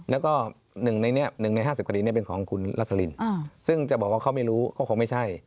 แล้วก็๑ใน๕๐คดีเป็นของคุณรัสลินซึ่งจะบอกว่าเขาไม่รู้ก็คงไม่ใช่